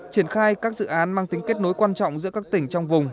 triển khai các dự án mang tính kết nối quan trọng giữa các tỉnh trong vùng